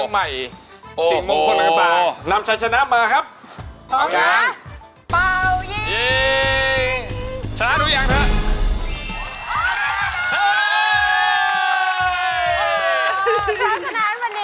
วันนี้พี่เป๊กได้รางวัลกลับบ้านไป๔หมื่นบาท